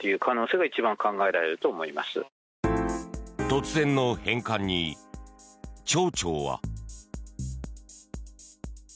突然の返還に、町長は。